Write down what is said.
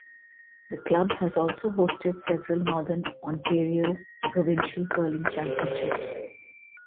The club has also hosted several Northern Ontario provincial curling championships.